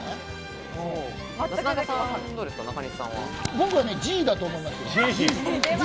僕はＧだと思いますよ。